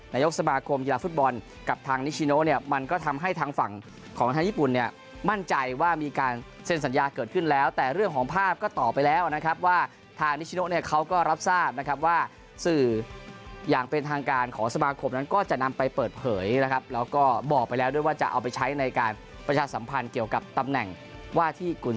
นายกสมาคมกีฬาฟุตบอลกับทางนิชิโนเนี่ยมันก็ทำให้ทางฝั่งของทางญี่ปุ่นเนี่ยมั่นใจว่ามีการเซ็นสัญญาเกิดขึ้นแล้วแต่เรื่องของภาพก็ต่อไปแล้วนะครับว่าทางนิชโนเนี่ยเขาก็รับทราบนะครับว่าสื่ออย่างเป็นทางการของสมาคมนั้นก็จะนำไปเปิดเผยนะครับแล้วก็บอกไปแล้วด้วยว่าจะเอาไปใช้ในการประชาสัมพันธ์เกี่ยวกับตำแหน่งว่าที่กุ